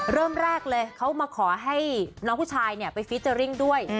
เริ่มแรกเลยเขามาขอให้น้องผู้ชายไปฟิเจอร์ริ่งด้วย